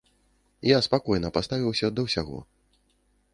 Я спакойна паставіўся да ўсяго.